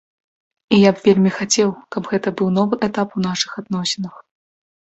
І я б вельмі хацеў, каб гэта быў новы этап у нашых адносінах.